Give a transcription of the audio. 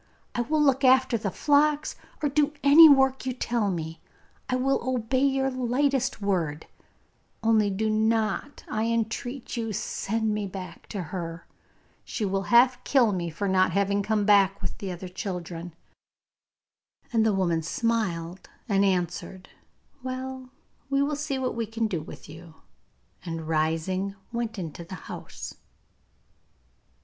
I will look after the flocks or do any work you tell me; I will obey your lightest word; only do not, I entreat you, send me back to her. She will half kill me for not having come back with the other children.' And the woman smiled and answered, 'Well, we will see what we can do with you,' and, rising, went into the house.